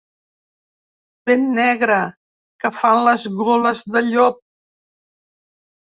Ben negra que fan les goles de llop.